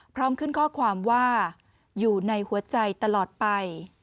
พร้อมขึ้นข้อความว่าอยู่ในหัวใจตลอดไป